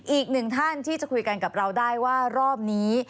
อีกหนึ่งท่านที่จะคุยกันกับเราได้ว่ารอบนี้